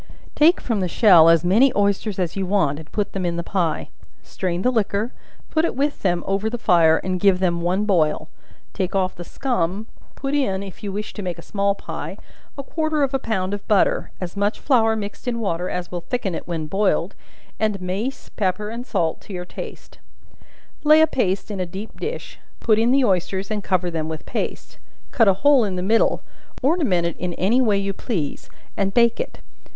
Take from the shell as many oysters as you want to put in the pie; strain the liquor, put it with them over the fire and give them one boil; take off the scum, put in, if you wish to make a small pie, a quarter of a pound of butter, as much flour mixed in water as will thicken it when boiled, and mace, pepper, and salt to your taste; lay a paste in a deep dish, put in the oysters and cover them with paste; cut a hole in the middle, ornament it any way you please, and bake it.